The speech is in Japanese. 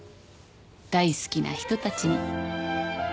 大好きな人たちに。